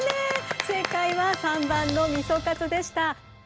正解は３ばんのみそカツでした。